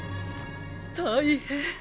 大変！